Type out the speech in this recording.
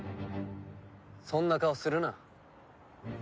そんな顔するな。